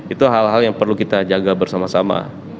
itu hal hal yang perlu kita jaga bersama sama